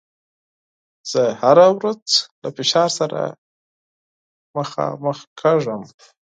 زه هره ورځ له فشار سره مخامخېږم.